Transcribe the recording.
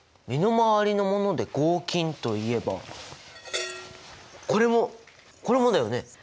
身の回りのもので合金といえばこれもこれもだよね？